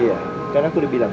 iya karena aku udah bilang